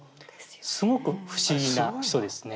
すごく不思議な人ですね。